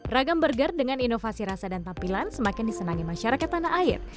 ragam burger dengan inovasi rasa dan tampilan semakin disenangi masyarakat tanah air